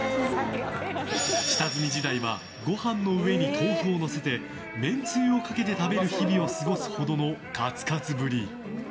下積み時代はご飯の上に豆腐をのせてめんつゆをかけて食べる日々を過ごすほどのカツカツぶり。